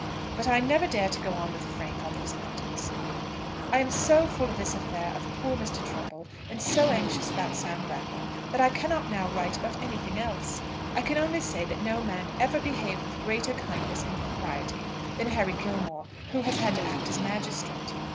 But I never dare to go on with Frank on these matters. I am so full of this affair of poor Mr. Trumbull, and so anxious about Sam Brattle, that I cannot now write about anything else. I can only say that no man ever behaved with greater kindness and propriety than Harry Gilmore, who has had to act as magistrate.